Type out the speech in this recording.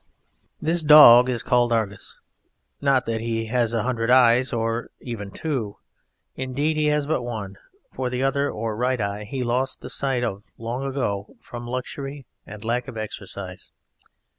This dog is called Argus, not that he has a hundred eyes nor even two, indeed he has but one; for the other, or right eye, he lost the sight of long ago from luxury and lack of exercise.